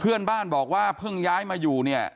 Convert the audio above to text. เพื่อนบ้านบอกว่าเพิ่งย้ายมาอยู่เนี่ย